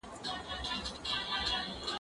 ته ولي وخت نيسې،